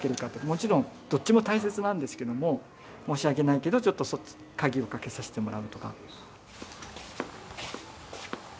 もちろんどっちも大切なんですけども申し訳ないけどちょっと鍵をかけさせてもらうとか。